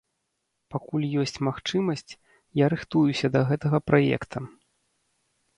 Пакуль ёсць магчымасць, я рыхтуюся да гэтага праекта.